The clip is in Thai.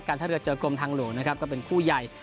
ท่าเรือเจอกรมทางหลวงนะครับก็เป็นคู่ใหญ่